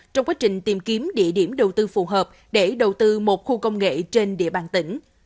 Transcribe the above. trong quá trình tìm kiếm địa điểm đầu tư phù hợp để đầu tư một khu công nghệ trên địa bàn tỉnh